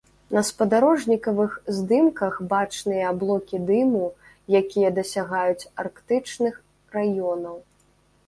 На спадарожнікавых здымках бачныя аблокі дыму, якія дасягаюць арктычных раёнаў.